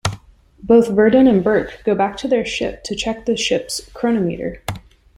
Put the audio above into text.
Both Virdon and Burke go back to their ship to check the ship's chronometer.